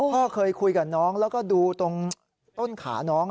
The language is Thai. พ่อเคยคุยกับน้องแล้วก็ดูตรงต้นขาน้อง